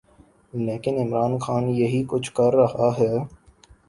لیکن عمران خان یہی کچھ کر رہا ہے۔